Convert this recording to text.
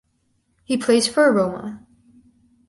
He plays for Roma.